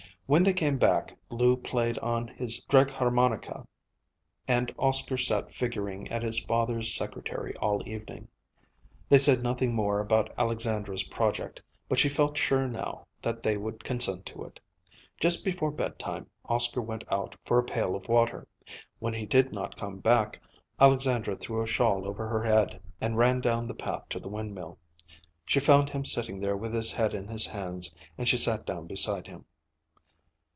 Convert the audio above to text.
When they came back Lou played on his dragharmonika and Oscar sat figuring at his father's secretary all evening. They said nothing more about Alexandra's project, but she felt sure now that they would consent to it. Just before bedtime Oscar went out for a pail of water. When he did not come back, Alexandra threw a shawl over her head and ran down the path to the windmill. She found him sitting there with his head in his hands, and she sat down beside him.